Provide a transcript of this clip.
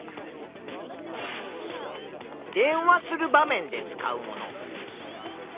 「電話する場面で使うもの」。